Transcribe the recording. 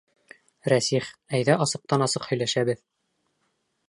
Рәсих, әйҙә асыҡтан-асыҡ һөйләшәбеҙ!